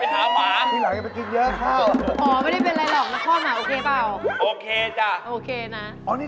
เอ้าพี่ซ้อมเมื่อกี้